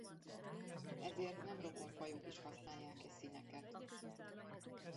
Ezért nem rokon fajok is használják e színeket.